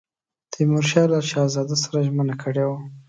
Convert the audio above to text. تیمورشاه له شهزاده سره ژمنه کړې وه.